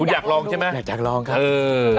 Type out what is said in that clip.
คุณอยากลองใช่ไหมอยากลองค่ะ